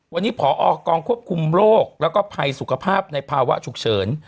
วันนี้ผอกองควบคุมโรคแล้วก็ภัยสุขภาพในภาวะฉุกเฉิน